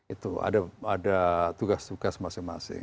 itu ada tugas tugas masing masing